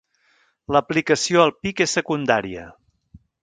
L'aplicació al pic és secundària.